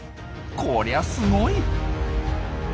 こりゃすごい！